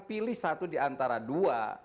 pilih satu di antara dua